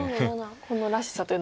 このらしさというのは。